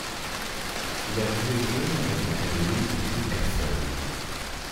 Il a joué jeune avec l'académie de Newcastle.